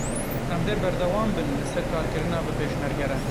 Em dê berdewam bin li ser karkirina bi Pêşmerge re.